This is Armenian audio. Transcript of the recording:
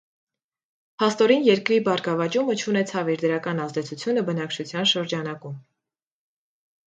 Փաստորեն, երկրի բարգավաճումը չունեցավ իր դրական ազդեցությունը բնակչության շրջանակում։